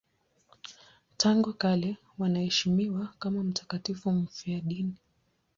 Tangu kale wanaheshimiwa kama mtakatifu mfiadini.